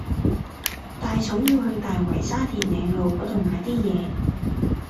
大嫂要去大圍沙田嶺路嗰度買啲嘢